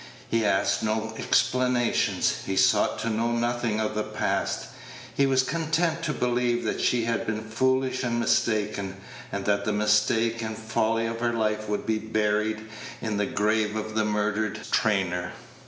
He asked no explanations; he sought to know nothing of the past. He was content to believe that she had been foolish and mistaken, and that the mistake and folly of her life would be buried in the grave of the murdered trainer.